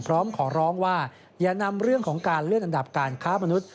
พร้อมขอร้องว่าอย่านำเรื่องของการเลื่อนอันดับการค้ามนุษย